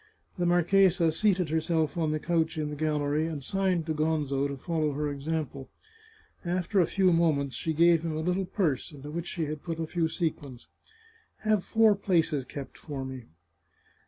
The marchesa seated herself on the couch in the gallery, and signed to Gonzo to follow her example. After a few moments she gave him a little purse, into which she had put a few sequins. " Have four places kept for me."